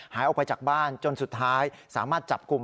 หายออกไปจากบ้านจนสุดท้ายสามารถจับกลุ่ม